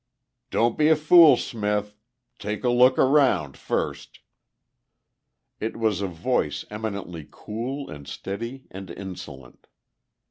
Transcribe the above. "Don't be a fool, Smith! Take a little look around first!" It was a voice eminently cool and steady and insolent.